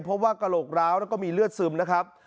เพราะว่ากระโหลกร้าวแล้วก็มีเลือดซึมนะครับ